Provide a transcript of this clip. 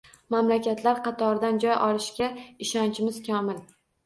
Mamlakatlar qatoridan joy olishiga ishonchimiz komil